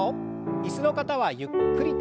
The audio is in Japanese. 椅子の方はゆっくりと。